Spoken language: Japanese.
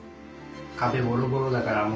壁ボロボロだからもう。